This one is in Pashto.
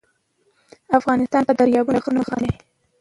افغانستان په دریابونه غني دی.